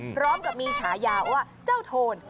พร้อมกับมีฉายาว่าเจ้าโทน